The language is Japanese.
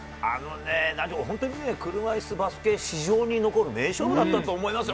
車いすバスケ史上に残る名勝負だったと思いますよ。